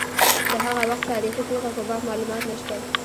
د هغه وخت تاریخي پېښو په باب معلومات نشته.